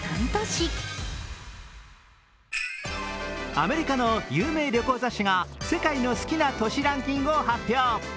アメリカの有名旅行雑誌が世界の好きな都市ランキングを発表。